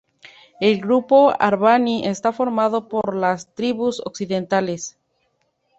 El grupo al-Barani está formado por las tribus occidentales.